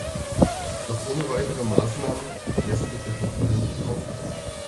Doch ohne weitere Maßnahmen lässt sich der Verfall nicht aufhalten.